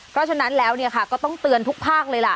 ก็ฉะนั้นแล้วเนี่ยค่ะก็ต้องเตือนทุกภาคเลยล่ะ